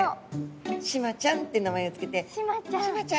シマちゃんって名前を付けて「シマちゃん」。